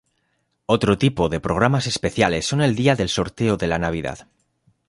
Otro tipo de programas especiales son el día del sorteo de la Navidad.